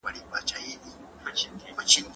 بهرنۍ تګلاره بې له ثبات نه نه اغېزمنه کيږي.